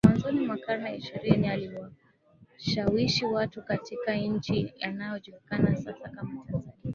Mwanzoni mwa karne ya ishirini aliwashawishi watu katika nchi inayojulikana sasa kama Tanzania